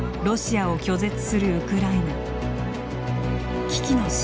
ロシアを拒絶するウクライナ。